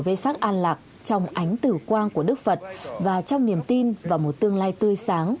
với sắc an lạc trong ánh tử quang của đức phật và trong niềm tin vào một tương lai tươi sáng